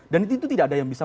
dan itu tidak ada yang bisa